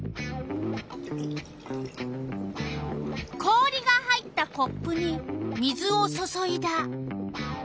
氷が入ったコップに水を注いだ。